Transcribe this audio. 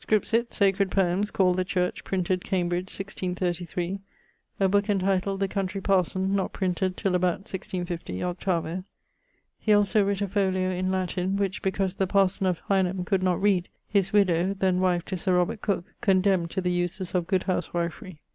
Scripsit: Sacred Poems, called The Church, printed, Cambridge, 1633; a booke entituled The Country Parson, not printed till about 1650, 8vo. He also writt a folio in Latin, which because the parson[LXXXIII.] of Hineham could not read, his widowe (then wife to Sir Robert Cooke) condemned to the uses of good houswifry.